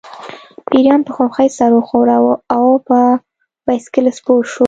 پیریان په خوښۍ سر وښوراوه او په بایسکل سپور شو